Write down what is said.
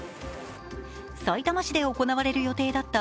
さいたま市で行われる予定だった